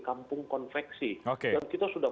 kampung konveksi yang kita sudah